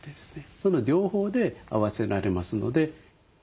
その両方で合わせられますので。